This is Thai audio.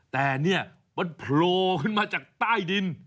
แต่เนี่ยมันโผล่ขึ้นมาจากใต้ดิน